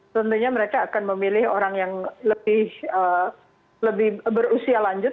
tentunya mereka akan memilih orang yang lebih berusia lanjut